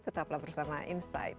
tetaplah bersama insight